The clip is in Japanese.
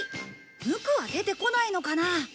ムクは出てこないのかな？